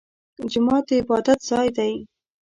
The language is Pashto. جومات د عبادت ځای دی